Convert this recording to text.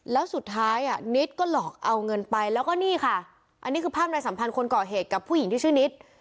แล้วสุดท้ายอ่ะนิดก็หลอกเอาเงินไปแล้วก็นี่ค่ะอันนี้คือภาพในสัมพันธ์คนก่อเหตุกับผู้หญิงที่ชื่อนิด